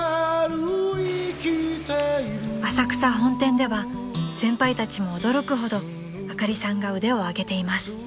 ［浅草本店では先輩たちも驚くほどあかりさんが腕を上げています］